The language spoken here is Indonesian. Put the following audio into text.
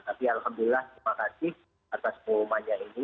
tapi alhamdulillah terima kasih atas pengumumannya ini